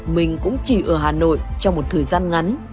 mình cũng chỉ ở hà nội trong một thời gian ngắn